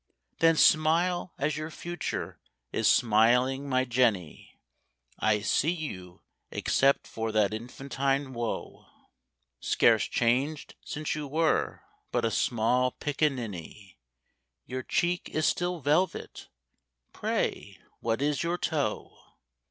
Then smile as your future is smiling, my Jenny! I see you, except for that infantine woe, Scarce changed since you were but a small pic a ninny,— Your cheek is still velvet—pray what is your toe?